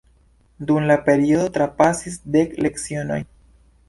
Dum la periodo trapasis dek lecionoj.